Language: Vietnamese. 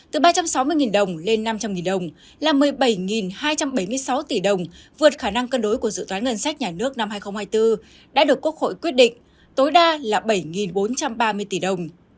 từ ba trăm sáu mươi đồng lên năm trăm linh đồng là một mươi bảy hai trăm bảy mươi sáu tỷ đồng vượt khả năng cân đối của dự toán ngân sách nhà nước năm hai nghìn hai mươi bốn đã được quốc hội quyết định tối đa là bảy bốn trăm ba mươi tỷ đồng